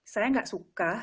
saya gak suka